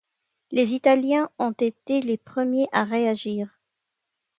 Les Italiens ont été les premiers à réagir.